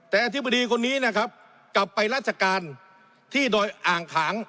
แต่อธิบดีคนนี้นะครับกลับไปราชการที่ดอยอ่างขาง